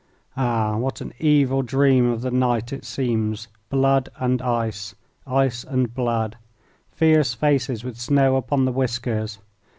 Ah, what an evil dream of the night it seems! Blood and ice. Ice and blood. Fierce faces with snow upon the whiskers.